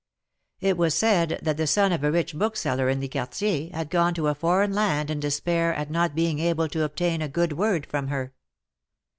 It was said that the son of a rich bookseller in the Quartier, had gone to a foreign land in despair at not being able to obtain a good word from her.